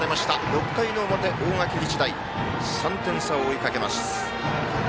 ６回の表、大垣日大３点差を追いかけます。